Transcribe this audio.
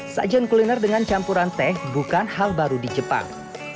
sajian kuliner dengan campuran teh bukan hal baru di jepang